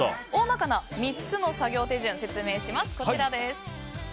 大まかな３つの作業手順説明します。